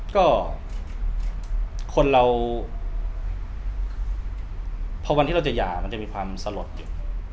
ก็คนเราพอวันที่เราจะหย่ามันจะมีความสลดอยู่